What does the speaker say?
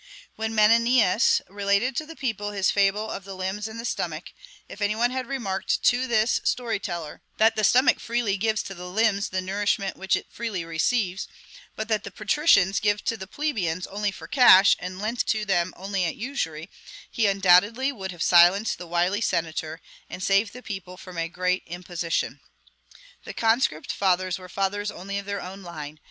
When Menenius related to the people his fable of the limbs and the stomach, if any one had remarked to this story teller that the stomach freely gives to the limbs the nourishment which it freely receives, but that the patricians gave to the plebeians only for cash, and lent to them only at usury, he undoubtedly would have silenced the wily senator, and saved the people from a great imposition. The Conscript Fathers were fathers only of their own line.